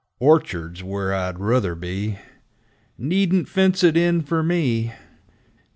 2 Orchard's where I'd ruther be Needn't fence it in fer me